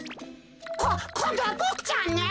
ここんどはボクちゃんね。